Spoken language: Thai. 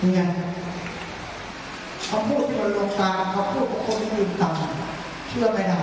ยังไงพวกมันลงตาพวกเขานี่กินต่อเชื่อไปน่ะ